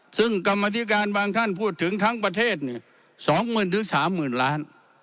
ซึ่งกรรมนาฬิการบางท่านพูดถึงทั้งประเทศเนี่ยสองหมื่นถึงสามหมื่นล้าน